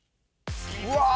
うわ！